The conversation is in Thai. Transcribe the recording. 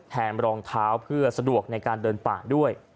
รองเท้าเพื่อสะดวกในการเดินป่าด้วย